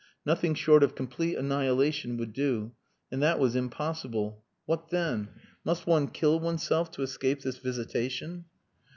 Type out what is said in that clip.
Nothing short of complete annihilation would do. And that was impossible. What then? Must one kill oneself to escape this visitation?